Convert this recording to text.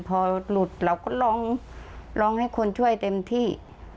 พอหลุดเราก็ร้องร้องให้คนช่วยเต็มที่